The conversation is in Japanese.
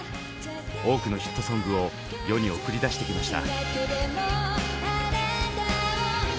多くのヒットソングを世に送り出してきました。